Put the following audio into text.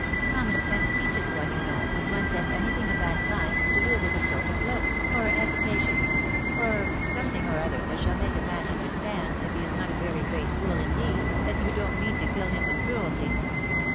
Conunon sense teaches one, you know, when one says anything of that kind, to do it with a sort of look, or a hesita tion, or something or other that shall make a man understand, if he is not a very great fool indeed, that you don't mean to kill biTn with cruelty."